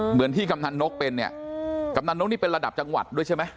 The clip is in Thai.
เหมือนที่กำนันนกเป็นเนี่ยกำนันนกนี่เป็นระดับจังหวัดด้วยใช่ไหม